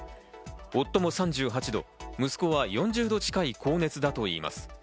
夫も３８度、息子は４０度近い高熱だといいます。